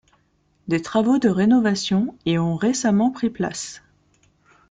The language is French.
Des travaux de rénovation y ont récemment pris place.